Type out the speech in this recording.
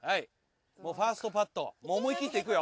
もうファーストパット思いきっていくよ。